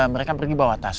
mereka pergi bawa tas